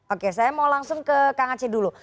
oke saya mau langsung ke kang aceh dulu